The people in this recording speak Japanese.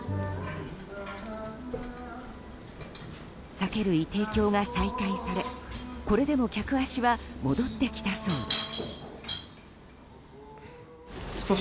酒類提供が再開され、これでも客足は戻ってきたそうです。